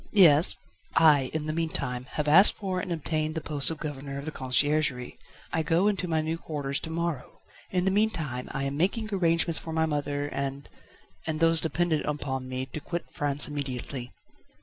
"Yes?" "I, in the meanwhile, have asked for and obtained the post of Governor of the Conciergerie; I go into my new quarters to morrow. In the meanwhile, I am making arrangements for my mother and and those dependent upon me to quit France immediately."